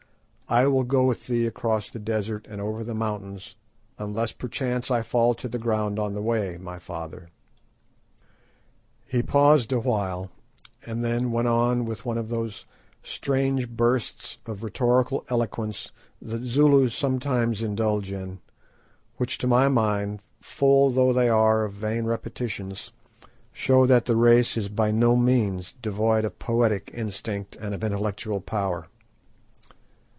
I will go with thee across the desert and over the mountains, unless perchance I fall to the ground on the way, my father." He paused awhile, and then went on with one of those strange bursts of rhetorical eloquence that Zulus sometimes indulge in, which to my mind, full though they are of vain repetitions, show that the race is by no means devoid of poetic instinct and of intellectual power.